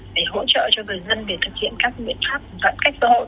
để hỗ trợ cho người dân để thực hiện các nguyện pháp đoạn cách bảo hộ